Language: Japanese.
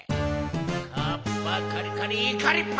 カッパカリカリイカリッパ！